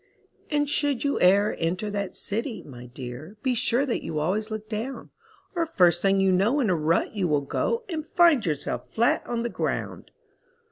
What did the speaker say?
And should you e'er enter that city, my dear, Be sure that you always look down, Or first thing you know in a rut you will go, And find yourself flat on the ground.